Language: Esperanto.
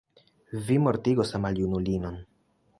Vi mortigos la maljunulinon.